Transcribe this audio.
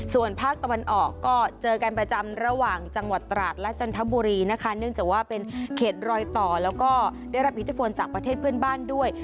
ส่วนภาคตะวันออกก็เจอกันประจำระหว่างจังหวัดตราดและจันทบุรีนะคะเนื่องจากว่าเป็นเขตรอยต่อแล้วก็ได้รับอิทธิพลจากประเทศเพื่อนบ้านด้วย